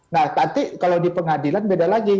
nah nanti kalau di pengadilan beda lagi